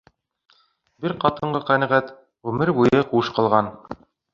Бер ҡатынға ҡәнәғәт ғүмер буйы хуш ҡалған